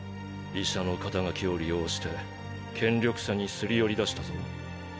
医者の肩書を利用して権力者に擦り寄りだしたぞ。